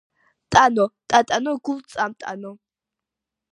ტანო, ტატანო გულ წამტანო.